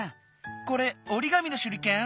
これおりがみのしゅりけん？